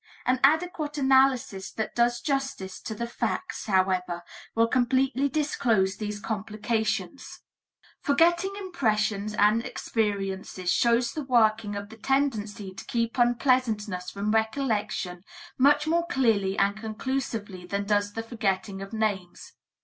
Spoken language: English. An adequate analysis that does justice to the facts, however, will completely disclose these complications. Forgetting impressions and experiences shows the working of the tendency to keep unpleasantness from recollection much more clearly and conclusively than does the forgetting of names.